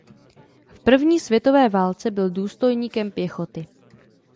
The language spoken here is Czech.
V první světové válce byl důstojníkem pěchoty.